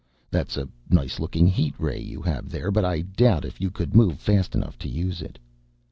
That's a nice looking heat ray you have there, but I doubt if you could move fast enough to use it."